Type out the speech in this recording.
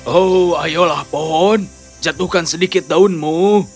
oh ayolah pohon jatuhkan sedikit daunmu